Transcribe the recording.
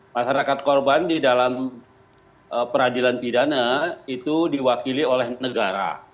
masyarakat korban di dalam peradilan pidana itu diwakili oleh negara